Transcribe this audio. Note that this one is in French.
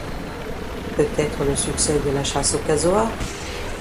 Peut-être le succès de la chasse aux casoars